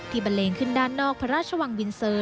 บันเลงขึ้นด้านนอกพระราชวังบินเซอร์